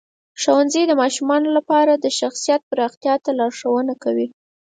ښوونځی د ماشومانو لپاره د شخصیت پراختیا ته لارښوونه کوي.